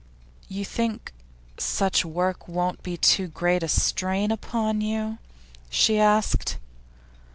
'You think such work won't be too great a strain upon you?' she asked.